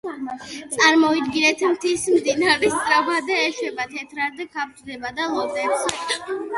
წარმოიდგინეთ მთის მდინარე სწრაფად ეშვება, თეთრად ქაფდება და ლოდებს ეხეთქება.